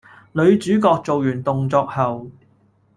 女主角做完動作後